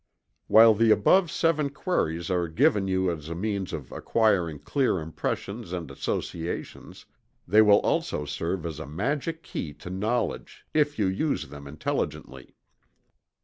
While the above Seven Queries are given you as a means of acquiring clear impressions and associations, they will also serve as a Magic Key to Knowledge, if you use them intelligently.